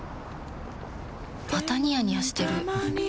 またニヤニヤしてるふふ。